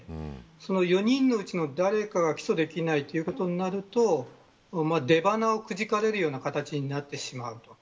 ４人のうちの誰かが起訴できないということになると出鼻をくじかれるような形になってしまう。